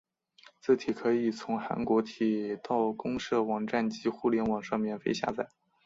字体可以从韩国铁道公社网站及互联网上免费下载。